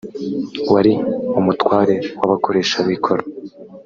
wari umutware w abakoresha b ikoro